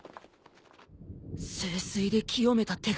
聖水で清めた手形。